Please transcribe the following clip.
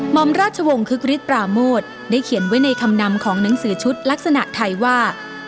อมราชวงศ์คึกฤทธปราโมทได้เขียนไว้ในคำนำของหนังสือชุดลักษณะไทยว่า